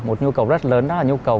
một nhu cầu rất lớn đó là nhu cầu